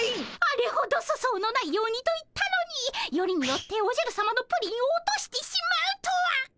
あれほど粗相のないようにと言ったのによりによっておじゃるさまのプリンを落としてしまうとは！